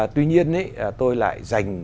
tuy nhiên tôi lại dành